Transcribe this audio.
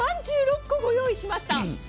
３６個ご用意しました。